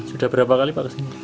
sudah berapa kali pak kesini